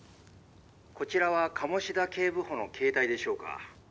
「こちらは鴨志田警部補の携帯でしょうか？」